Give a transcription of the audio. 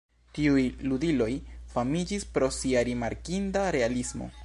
Tiuj ludiloj famiĝis pro sia rimarkinda realismo.